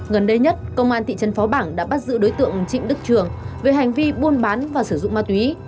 gần đây nhất công an thị trấn phó bảng đã bắt giữ đối tượng trịnh đức trường về hành vi buôn bán và sử dụng ma túy